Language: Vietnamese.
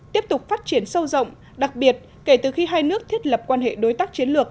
tiếp tục phát triển sâu rộng đặc biệt kể từ khi hai nước thiết lập quan hệ đối tác chiến lược